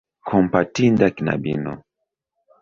Kompatinda knabino!